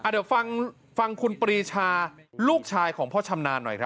เดี๋ยวฟังคุณปรีชาลูกชายของพ่อชำนาญหน่อยครับ